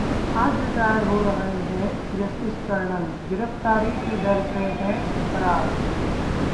आज रिटायर हो रहे हैं जस्टिस कर्णन, गिरफ्तारी के डर से हैं फरार